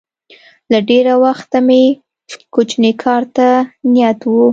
له ډېره وخته مې کوچني کار ته نیت و